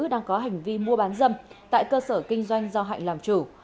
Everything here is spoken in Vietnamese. đang có hành vi mua bán dâm tại cơ sở kinh doanh do hạnh làm chủ